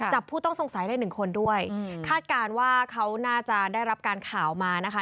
ผู้ต้องสงสัยได้หนึ่งคนด้วยคาดการณ์ว่าเขาน่าจะได้รับการข่าวมานะคะ